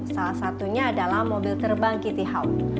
salah satunya adalah mobil terbang kitty house